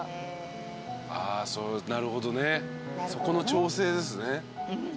なるほどねそこの調整ですね。